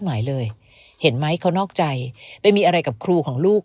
หมายเลยเห็นไหมเขานอกใจไปมีอะไรกับครูของลูก